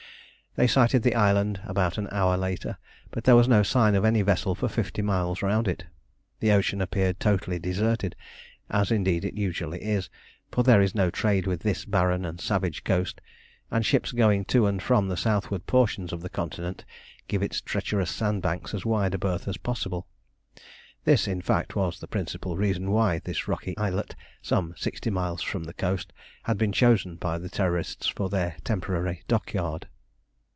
They sighted the island about an hour later, but there was no sign of any vessel for fifty miles round it. The ocean appeared totally deserted, as, indeed, it usually is, for there is no trade with this barren and savage coast, and ships going to and from the southward portions of the continent give its treacherous sandbanks as wide a berth as possible. This, in fact, was the principal reason why this rocky islet, some sixty miles from the coast, had been chosen by the Terrorists for their temporary dockyard.